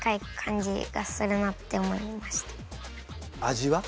味は？